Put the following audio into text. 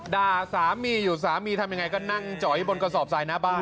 ด่าสามีอยู่สามีทำยังไงก็นั่งจอยบนกระสอบทรายหน้าบ้าน